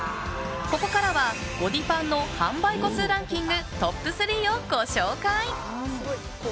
ここからはゴディパンの販売個数ランキングトップ３をご紹介！